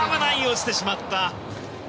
落ちてしまった。